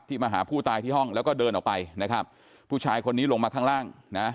มาหาผู้ตายที่ห้องแล้วก็เดินออกไปนะครับผู้ชายคนนี้ลงมาข้างล่างนะ